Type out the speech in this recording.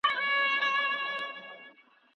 په ټولنه کي د مورنۍ ژبې رواجول اړین دي.